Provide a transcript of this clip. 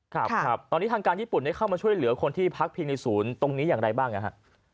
ครับตอนนี้ทางการญี่ปุ่นได้เข้ามาช่วยเหลือคนที่พักพิงในศูนย์ตรงนี้อย่างไรบ้างนะฮะ